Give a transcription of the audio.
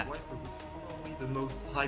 kemampuan merusak ke ukraina